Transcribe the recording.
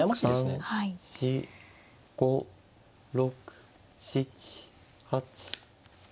５６７８。